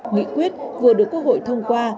nghị quyết vừa được quốc hội thông qua